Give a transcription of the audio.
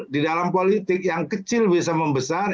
di dalam politik yang kecil bisa membesar